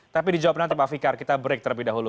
tapi dijawab nanti pak fikar kita break terlebih dahulu